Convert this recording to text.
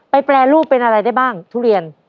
แปรรูปเป็นอะไรได้บ้างทุเรียน